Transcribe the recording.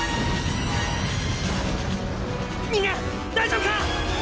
みんな大丈夫か！